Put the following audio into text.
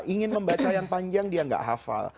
ingin membaca yang panjang dia gak hafal